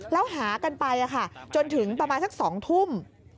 แล้วหากันไปจนถึงประมาณสัก๒ทุ่ม